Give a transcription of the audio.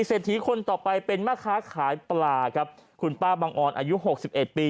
เศรษฐีคนต่อไปเป็นแม่ค้าขายปลาครับคุณป้าบังออนอายุหกสิบเอ็ดปี